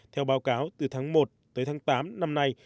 theo báo cáo từ tháng một tới tháng tám năm nay